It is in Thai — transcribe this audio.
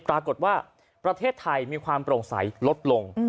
ปรากฏว่าประเทศไทยมีความโปร่งใสลดลง